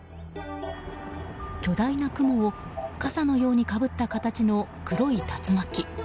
巨大な雲を傘のようにかぶった形の黒い竜巻。